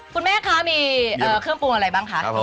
คุณแม่คะมีเครื่องปรุงอะไรบ้างคะ